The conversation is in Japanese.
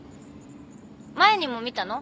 前にも見たの？